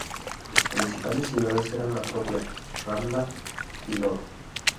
Sus principales ciudades eran la propia Ramla, y Lod.